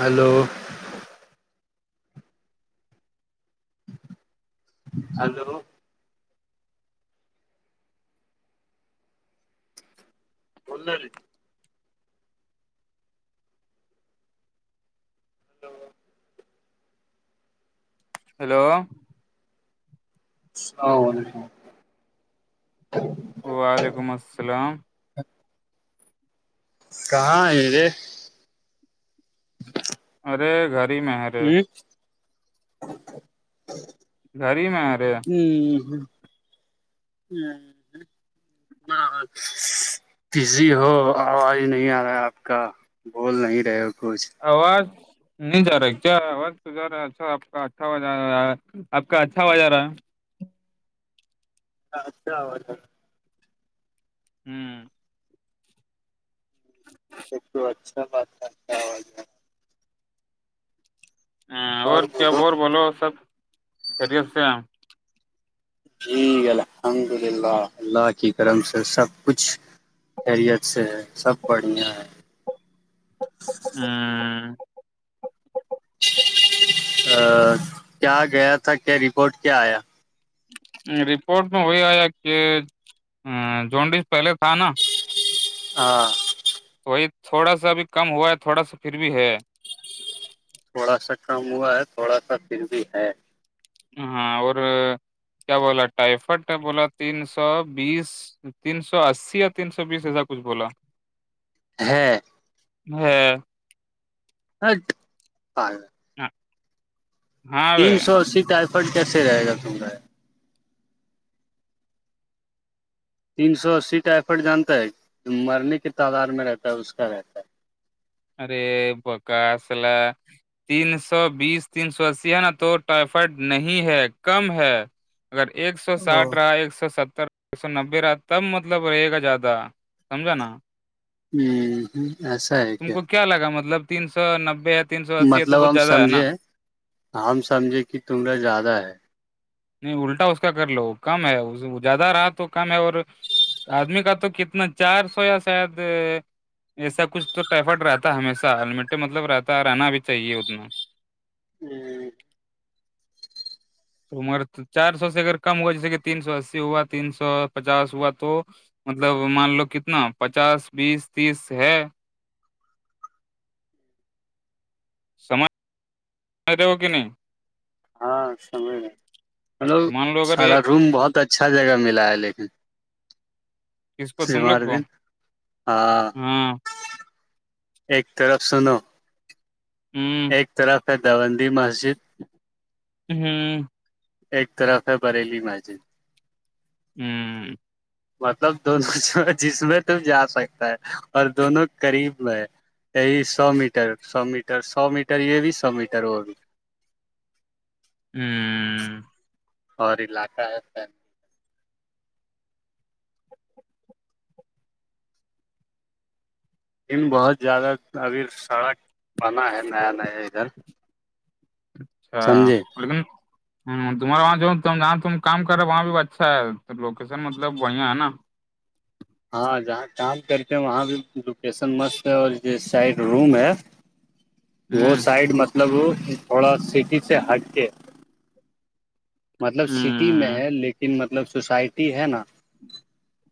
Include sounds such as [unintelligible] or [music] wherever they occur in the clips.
Hello ہاں hello بول hello hello [unintelligible] وعلیکم السلام- کہاں یہیرے ارے گھر ہی میں ہے رے ہی گری میں ارے- ہ ہ ہ ہ بزی ہو آواز نہیں آ رہا ہے آپ کا- بول نہیں رہ کچھ آواز نہیں جا رہا کیا رہاا آپ کا اچھا رہ آپ کا اچھا و جا رہا ہے اچھا آواز ہوں تو اچھا بات کر آواز میں- ہ اور کیا ب بولو سب خیریت سے- جٹھیک ہے الحمد للہ اللہ کی کرم سے سب کچھ- خیریت سے ہے سب بڑھیا ہے- ہوں ا کیا گیا تھا کیا رپورٹ کیا آیا? رپورٹ میں وہی آیا کہ جوانڈس پہلے تھا نا- ہاں تو وہی تھوڑا سا ابھی کم ہوا ہے تھوڑا سا پھر بھی ہے- تھوڑا سا کم ہوا ہے تھوڑا سا پھر بھی ہے ہاں اور کیا بولا ٹائفڈ بولا تین سو بیس- تین سو اسی یا تین سو بیس ایسا کچھ بولا- ہاں ہاں [unintelligible] [unintelligible] تین سو اسی ٹائیفرڈ کیسے رہے گا تم کاا یہ- تین سو اسی ایفرٹ جانتا ہے مرنے کی تعداد میں رہتا ہے اس کا رہتا ہے- ارے بکا اصلہ- تین سو بیس, تین سو اسی ہے نا تو ٹائیفائڈ نہیں ہے کم ہے- اگر ایک سو ہے او ساٹھ ہ رہا ایک سو ستر- ایک سو نبے را تب مطلب رہے گا زیادہ سمجھا نا- ہ ہ ایسا ہے تم کیا کو کیا لگا مطلب تین سو نبے تین سو اسی ہے تو مطلب بہت ہم زیادہ ہے نا سمجھیں ہم سمجھیں کہ تملہ زیادہ ہے نہیں الٹا اس کا کر لو کم ہے زیادہ رہا تو کم ہے اور آدمی کا تو کتنا چار سو یا شاید ایسا کچھ تو ٹائیفائڈ رہتا ہے ہمیشہ المیٹے مطلب رہتا رہنا بھی چاہیے اتنا ہوں تومر چار سو سے اگر کم ہوا جیسے کہ تین سو اسی ہوا تین سو پچاس ہوا تو مطلب مان لو کتنا پچاس بیس تیس ہے سمج کہ نہیں ہاں سمجھ گ ملو مان لو اگر سارا ایک روم بہت اچھا جگہ ملا ہے لیکن کس کو ج تم لوگ ہمار کو دن ہاں ایک طرف سنو ہوں اترق ہے دندی مسجد ہوں ایک طرف ہے بریلی مجی ہوں [inaudible] مطلب دونوں جس میں تو جا سکتا ہے اور دونوں قریب میں ہے یہی سو میٹر سو میٹر سو میٹر یہ بھی سو میٹر وہ بھی ہوں اور ل آ کاا لن بہت زیادہ ابھی سڑک بنا ہے نیا نیا ادھر اچھا سمجھے لیکن ہ تمہارے وہاں جہاں تم کام کرے وہاں بھی اچھا ہے تو لوکیشن مطلب بیا ہے نا ہاں جہاں کام کر کے وہاں بھی لوکیشن مست ہے اور ج سائڈ روم ہے وہ ہوں سائڈ مطلب تھوڑا سٹی سے ہٹ کے مطلب سٹی میں ہوں ہوں ہے لیکن مطلب سوسائٹی ہے نا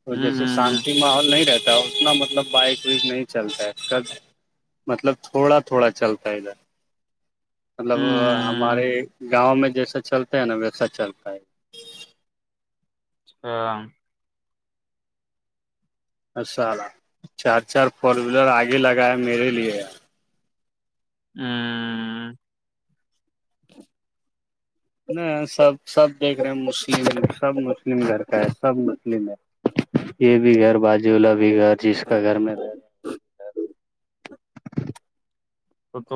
تو جیسے ہوں ہوں شانتی ماحول نہیں رہتا اتنا مطلب بائک وک نہیں چلتا ہے کب مطلب تھوڑا تھوڑا چلتا ہے ادھر مطلب ہوں ہمارے گاؤں میں جیسا چلتا ہے نا ویسا چلتا ہے ہ ا سا چار چار فور ویلر آگے لگائے میرے لیے ا نہیں سب سب دیکھ رہے ہیں مسلم ل سب مسلم گھر کا ہے سب مسلم ہے یہ بھی گھر باجولا بھی گھر جس کا گھر میں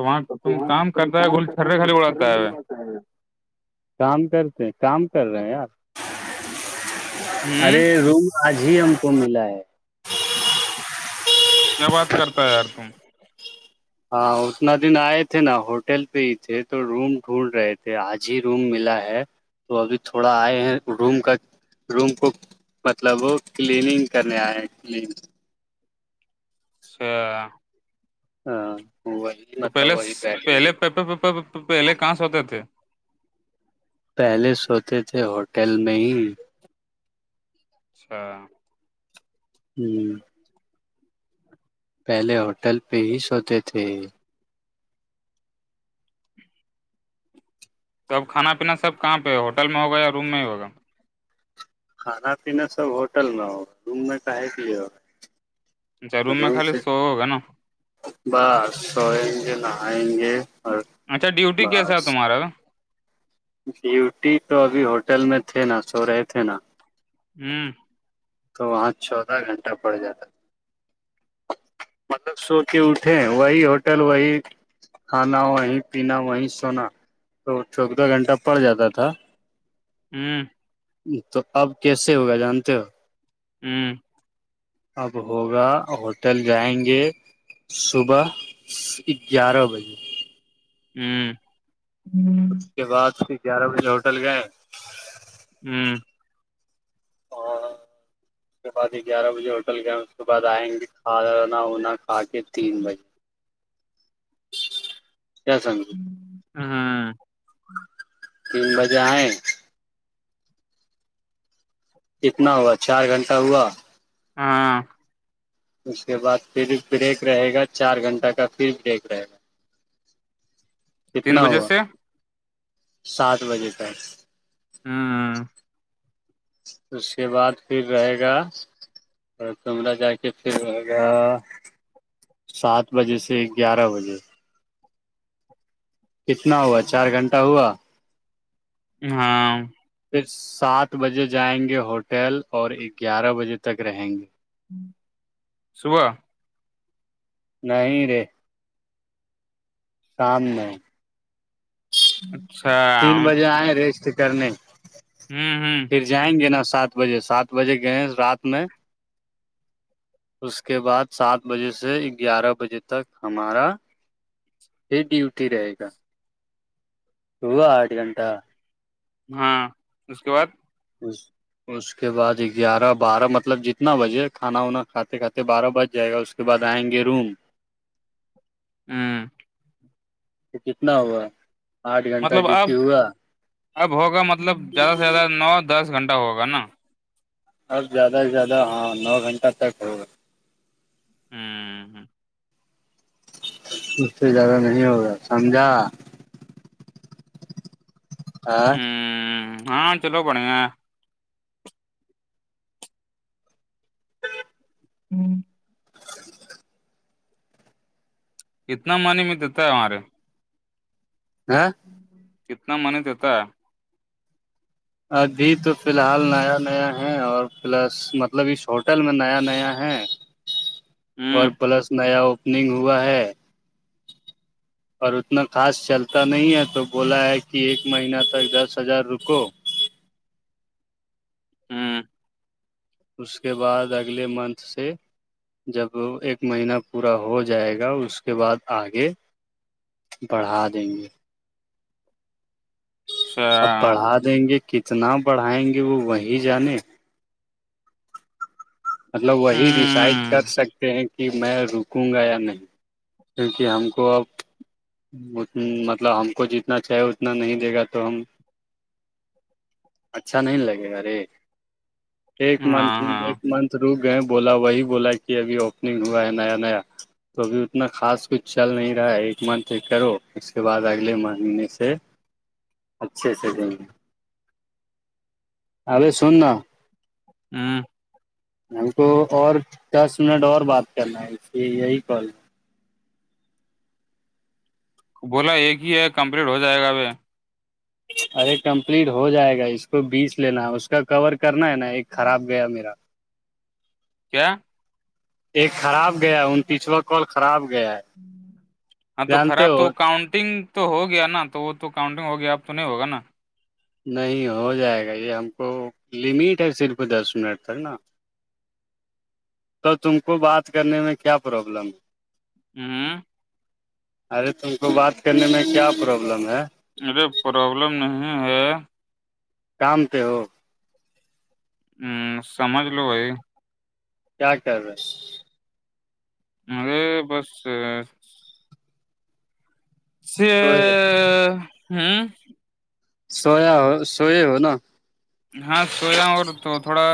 وہاں تو تو تم وہاں کام کوئی کرتا ہے کام گول کر رہ چھرے خالی ہے اڑاتا سرے ملواتا ہے گا کام کرتے ہیں کام کر رہے ہیں یار ہوں ارے روم آج ہی ہم کو ملا ہے کیا بات کرتا ہے یار تم ہاں اتنا دن آئے تھے نا ہوٹل پہ ہی تھے تو روم ڈھونڈ رہے تھے آج ہی روم ملا ہے تو ابھی تھوڑا آئے ہیں روم کا روم کو مطلب وہ کلیننگ کرنے آئے ہیں کلین سھ ہاں پ تو پہلے پہلے پیپ پ پہلے کہاں س ہوتے تھے پہلے سوتے تھے ہوٹل میں ہی اچھا ہوں پہلے ہوٹل پہ ہی سوتے تھے تو اب کھانا پینا سب کہاں پہ ہوٹل میں ہوگا یا روم میں ہی ہوگا کھانا پیینا سب ہوٹل میں ہو روم میں کہے کے لی اچھا روم میں خالی سو ہوگا نا بس سوئیں گے نہائیں گے اور اچھا ڈیوٹی کیسا ہے بس تمہارا ڈیوٹی تو ابھی ہوٹل میں تھے نا سو رہے تھے نا ہوں تو وہاں چودہ گھنٹہ پڑ جاتا مطلب سو کے اٹھے وہی ہوٹل وہی کھانا وہی پینا وہی سونا تو چودہ گھنٹہ پڑ جاتا تھا ہوں تو اب کیسے ہوگا جانتے ہو ہوں اب ہوگا ہوٹل جائیں گے صبح گیارہ بجے ہوں اس کے بعد پھر گیارہ بجے ہوٹل گئے ہوں اور اس کے بعد گیارہ بجے ہوٹل گئے اس کے بعد آئیں گے کھانا ونا آکے تین بجے [inaudible] کیا سگے ہاں تین بجے آئے کتنا ہوا چار گھنٹہ ہوا ہاں اس کے بعد پھر بریک رہے گا چار گھنٹہ کا پھر بریک رہے گا تین کتنا بجے ہوا سے ہ سات بجے تک ہاں اس کے بعد پھر رہے گا اور تملہ جا کے پھر ہوگا سات بجے سے گیارہ بجے کتنا ہوا چار گھنٹہ ہوا ہاں پھر سات بجے جائیں گے ہوٹل اور گیارہ بجے تک رہیں گے صبح نہیں رے شام نہیں اچھا تین ہوں بجے آئ ریسٹ کرنے ہوں پھر جائیں گے نا سات سات بجے سات بجے گئے رات میں اس کے بعد سات بجے سے گیارہ بجے تک ہمارا یہ ڈیوٹی رہے گا ہوا آٹھ گھنٹہ ہاں اس کے بعد اسس اس کے بعد گیارہ بارہ مطلب جتنا بجے کھانا وانا کھاتے کھاتے بارہ بج جائے گا اس کے بعد آئیں گے روم ہوں تو کتنا ہوا آٹھ گھنٹہ مطلب اب ڈیوٹی ہوا اب ہوگا مطلب زیادہ سے زیادہ نو دس گھنٹہ ہوگا نا اب زیادہ سے زیادہ ہاں نو گھنٹہ تک ہوگا ہوں ہ اس سے زیادہ نہیں ہوگا سمجھا ہ ہاں ہاں چلو پڑ گ ہوں اتنا مانی میں دیتا ہے ہمارے [inaudible] کتنا منی تتا ابھی تو فی الحال نیا نیا ہے اور پلس مطلب اس ہوٹل میں نیا نیا ہے اور ہ پلس نیا اوپننگ ہوا ہے اور اتنا خاص چلتا نہیں ہے تو بولا ہے کہ ایک مہینہ تک دس ہزار رکو ہوں اس کے بعد اگلے منتھ سے جب ایک مہینہ پورا ہو جائے گا اس کے بعد آگے بڑھا دیں گے اچھا اب پڑھا دیں گے کتنا پڑھائیں گے وہ وہیں جانے مطلب ہ وہی ڈیسائڈ کر سکتے ہیں کہ میں رکوں گا یا نہیں کیونکہ ہم کو اب مطلب ہم کو جتنا چاہیے اتنا نہیں دے گا تو ہم اچھا نہیں لگے گا ارے ایک منتھ ہاں ہاں منتھ روک گئے بولا وہی بولا کہ ابھی اوپننگ ہوا ہے نیا نیا تو ابھی اتنا خاص کچھ چل نہیں رہا ہے ایک منتھ کرو اس کے بعد اگلے مہینے سے اچھا اچھا ارے سن نا ہوں ہم کو اور دس منٹ اور بات کرنا ہے اس لیے یہی کال بولا ایک ہی ہے کمپلیٹ ہو جائے گا اب ارے کمپلیٹ ہو جائے گا اس کو بیس لینا اس اس کا کور کرنا ہے نا ایک خراب گیا میرا کیا ایک خراب گیا ان پچھوا کال خراب گیا ہے ہاں تو جانتے خراب ہو تو کانٹنگ تو ہو گیا نا تو وہ تو کاؤنٹنگ ہو گیا اب تو نہیں ہوگا نا نہیں ہو جائے گا یہ ہم کو لمٹ ہے صرف دس منٹ تک نا تو تم کو بات کرنے میں کیا پرابلم ہے ہوں ارے تم کو بات کرنے میں کیا پرابلم ہے ارے پرابلم نہیں ہے شام سے ہو ہوں سمجھ لو بھائی کیاتا رہ مجے بس س ہوں سویا ہو سوئے ہو نا ہاں سویا اور تو تھوڑا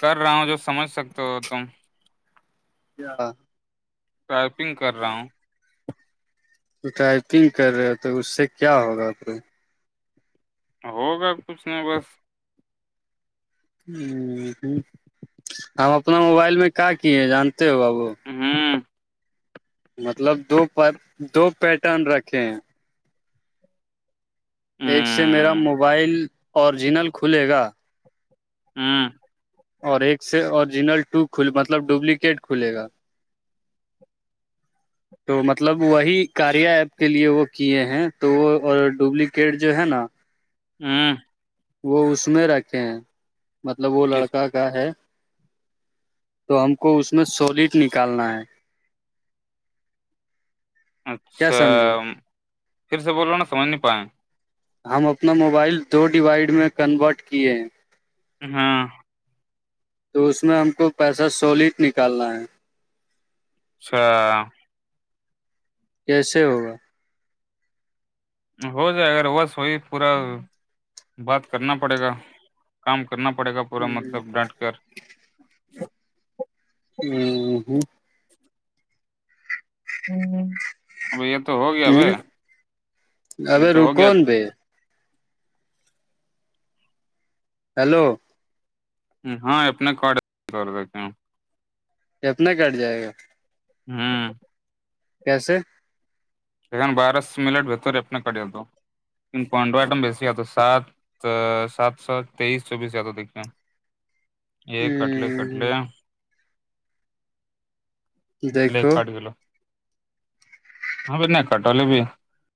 کر رہا ہوں جو سمجھ سکتے ہو تم اں ٹائپنگ کر رہا ہوں ٹائپنگ کر رہے ہو تو اس سے کیا ہوگا پھر ہوگا کچھ نہ بس ہ ہ ہم اپنا موبائل میں کیا کیے جانتے ہو بابو ہوں مطلب دو دو پیٹرن رکھے ہیں ایک سے میرا ہوں موبائل اوریجنل کھلے گا ہاں اور ایک سے اوریجنل ٹو کل مطلب ڈوپلیکیٹ کھلے گا [inaudible] تو مطلب وہی کاریا ایپ کے لیے وہ کیے ہیں تو وہ اور ڈپلیکیٹ جو ہے نا ھمم وہ اس میں رکھے ہیں مطلب وہ کس لڑکا کا ہے تو ہم کو اس میں سالڈ نکالنا ہے کیا اچھا سمجھے پھر سے بول رہو نا سمجھ نہیں پائیں ہم اپنا موبائل دو ڈیوائڈ میں کنورٹ کیے ہیں ہاں تو اس میں ہم کو پیسہ سولڈ نکالنا ہے چھا [unintelligible] کیسے ہوگا ہو جائے اگر بس وہی پورا بات کرنا پڑے گا کام کرنا پڑے گا پورا مطلب ڈانٹ کر ھمم اب یہ تو ہو گیا اب یہ ابھی تو ہو گیا رکون [unintelligible] بھائی ہیلو ہاں اپنے کارڈ تو دیتے ہیں اپنا کٹ جائے گا [unintelligible] ہاں کیسے سن بارہس منٹ بتری اپنے کٹ دو [unintelligible] پونرہ آئٹم بسی ہے تو سات سات سو تیئیس چوبیس یہ تو دیکے [inaudible] یہ کٹل کٹل ہ [unintelligible] پلیک دیکھو کاٹ گلو [unintelligible] ہاں بھی نہیں کٹوول بھی